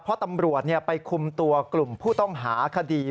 เพราะตำรวจไปคุมตัวกลุ่มผู้ต้องหาคดี